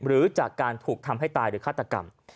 หรือจากการถูกทำให้ตายหรือฆาตกรรม